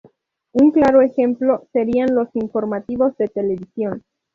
Un claro ejemplo serían los informativos de televisión.